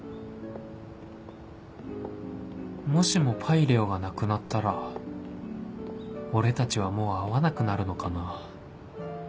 もしもパイレオがなくなったら俺たちはもう会わなくなるのかな